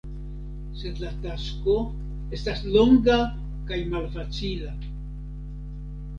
Sed la tasko estas longa kaj malfacila.